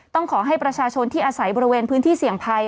ต้องขอให้ประชาชนที่อาศัยบริเวณพื้นที่เสี่ยงภัย